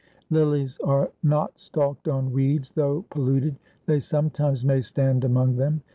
Lilies are not stalked on weeds, though polluted, they sometimes may stand among them.